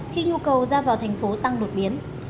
khi nhu cầu ra vào thành phố tăng đột biến